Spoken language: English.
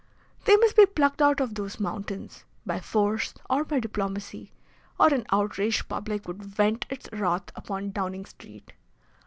They must be plucked out of those mountains, by force or by diplomacy, or an outraged public would vent its wrath upon Downing Street.